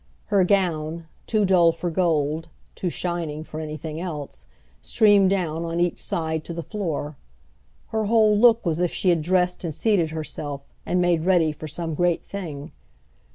Her gown, too dull for gold, too shining for anything else, streamed down on each side to the floor. Her whole look was as if she had dressed and seated herself and made ready for some great thing.